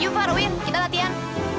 yuk far windy kita latihan